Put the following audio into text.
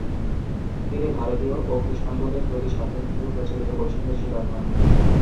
তিনি ভারতীয় ও কৃষ্ণাঙ্গদের প্রতি সাধারণভাবে প্রচলিত বৈষম্যের শিকার হন।